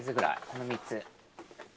この３つ。